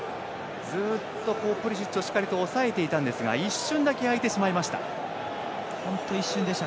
ずっとプリシッチを抑えていたんですが一瞬だけ、空いてしまいました。